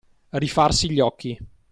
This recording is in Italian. Rifarsi gli occhi.